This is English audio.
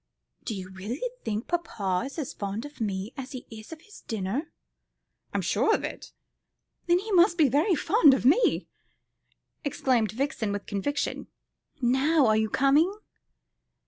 "Do you really think papa is as fond of me as he is of his dinner?" "I'm sure of it!" "Then he must be very fond of me," exclaimed Vixen, with conviction. "Now, are you coming?"